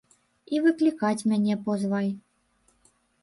І выклікаць мяне позвай.